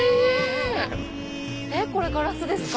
これガラスですか？